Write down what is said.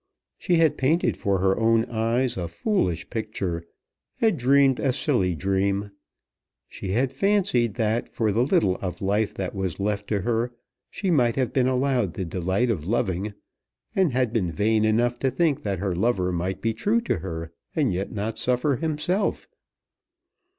She had painted for her own eyes a foolish picture, had dreamed a silly dream. She had fancied that for the little of life that was left to her she might have been allowed the delight of loving, and had been vain enough to think that her lover might be true to her and yet not suffer himself!